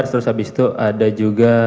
terus habis itu ada juga